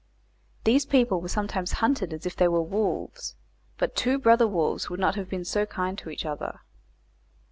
These people were sometimes hunted as if they were wolves, but two brother wolves would not have been so kind to each other.